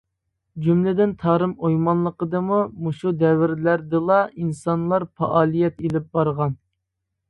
جۈملىدىن تارىم ئويمانلىقىدىمۇ مۇشۇ دەۋرلەردىلا ئىنسانلار پائالىيەت ئېلىپ بارغان.